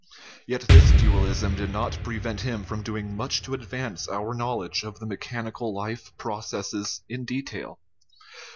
Yet this dualism did not prevent him from doing much to advance our knowledge of the me chanical life processes in detail.